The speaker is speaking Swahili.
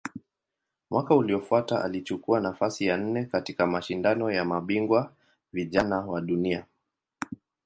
Mwaka uliofuata alichukua nafasi ya nne katika Mashindano ya Mabingwa Vijana wa Dunia.